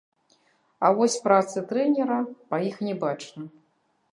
А вось працы трэнера па іх не бачна.